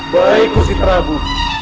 baik gusti prabu